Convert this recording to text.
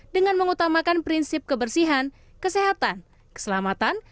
dengan mengutamakan prinsip kebersihan kesehatan keselamatan